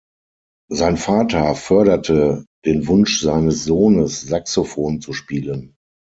Sein Vater förderte den Wunsch seines Sohnes, Saxophon zu spielen.